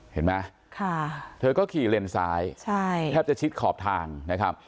เห็นไหมเธอก็ขี่เลนซ้ายแทบจะชิดขอบทางนะครับ